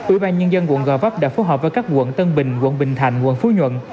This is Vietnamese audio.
ủy ban nhân dân quận gò vấp đã phối hợp với các quận tân bình quận bình thạnh quận phú nhuận